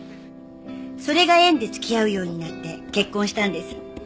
それが縁で付き合うようになって結婚したんです。